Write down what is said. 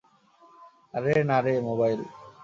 আরে না রে, মোবাইল।